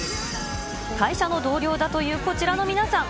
会社の同僚だというこちらの皆さん。